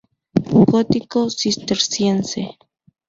Gótico cisterciense.